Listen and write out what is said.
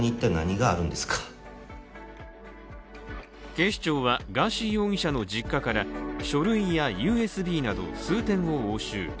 警視庁は、ガーシー容疑者の実家から書類やＵＳＢなど数点を押収。